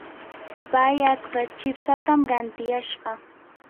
pay atska chipsatam rantiyashqa.